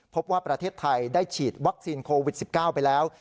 พบว่าประเทศไทยได้ฉีดวัคซีนโควิด๑๙ไปแล้ว